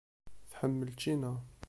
Tḥemmel ččina.